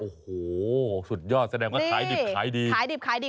โอ้โหสุดยอดแสดงว่าขายดิบขายดี